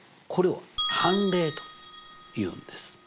これを「反例」というんです。